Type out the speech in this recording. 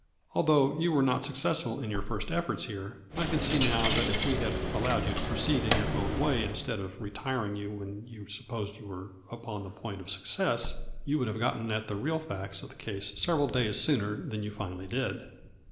Although you were not successful in your first efforts here, I can see now that if we had allowed you to proceed in your own way instead of retiring you when you suppos ed you were upon the point of success, you would have gotten at the real facts of the case several days sooner than you finally did."